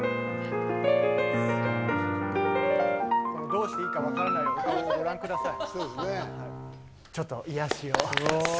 どうしていいかわからないような顔をご覧ください。